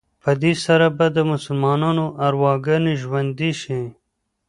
په دې سره به د مسلمانانو ارواګانې ژوندي شي.